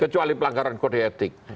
kecuali pelanggaran kode etik